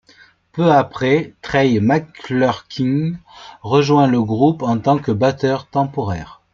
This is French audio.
Peu après, Trey McClurkin rejoint le groupe en tant que batteur temporaire.